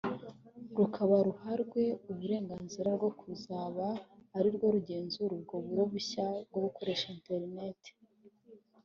rukaba ruhawe uburenganzira bwo kuzaba ari rwo rugenzura ubwo buro bushya bwo gukoresha Internet